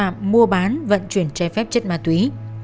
mua bán vận chuyển tre phép chất ma túy